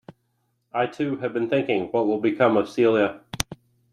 I, too, have been thinking of what will become of Celia.